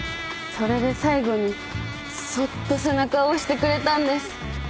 それで最後にそっと背中を押してくれたんです。